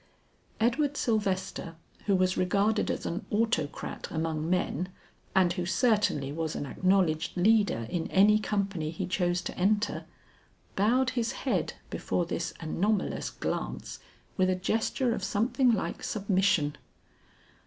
Edward Sylvester who was regarded as an autocrat among men, and who certainly was an acknowledged leader in any company he chose to enter, bowed his head before this anomalous glance with a gesture of something like submission.